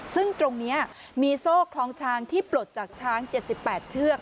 ซึ่งตรงเนี่ยมีโซ่คล้องช้างที่ปรดจากช้างเจ็ดสิบแปดเชือก